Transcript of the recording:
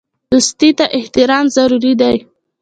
دوستۍ ته احترام ضروري دی.